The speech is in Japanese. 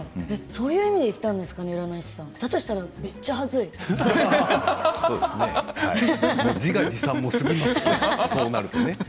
そういう意味で言ったんでしょうかね？